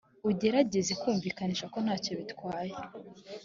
ugerageze kumvikanisha ko nta cyo bitwaye